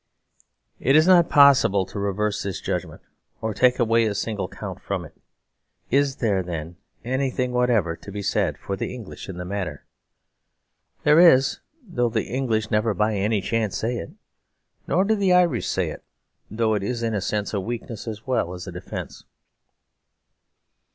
It is not possible to reverse this judgment or to take away a single count from it. Is there, then, anything whatever to be said for the English in the matter? There is: though the English never by any chance say it. Nor do the Irish say it; though it is in a sense a weakness as well as a defence.